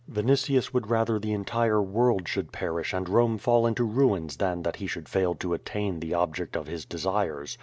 Vinitius would rather the entire world should perish and Rome fall into ruins than that he should fail to attain the object of his desires.